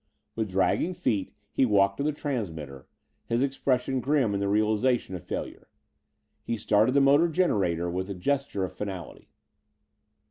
With dragging feet he walked to the transmitter, his expression grim in the realization of failure. He started the motor generator with a gesture of finality.